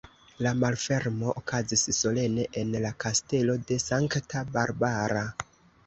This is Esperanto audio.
La malfermo okazis solene en la Kastelo de Sankta Barbara.